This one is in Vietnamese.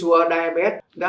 ovisur diabetes đã được sử dụng